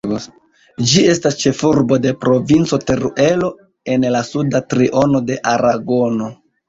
Ĝi estas ĉefurbo de Provinco Teruelo en la suda triono de Aragono.